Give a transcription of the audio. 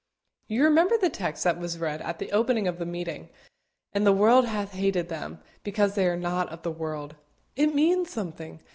You remember the text that was read at the opening of the meeting "And the world hath hated them, because they are not of the world." It means something!